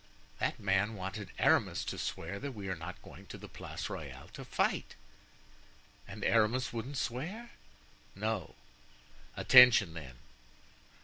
"That man wanted Aramis to swear that we are not going to the Place Royale to fight." "And Aramis wouldn't swear?" "No." "Attention, then!"